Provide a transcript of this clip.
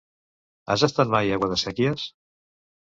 Has estat mai a Guadasséquies?